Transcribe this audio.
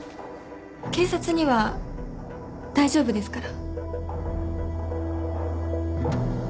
警察には大丈夫ですから。